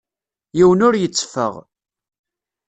Yiwen ur yetteffeɣ.